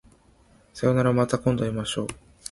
さようならまた今度会いましょう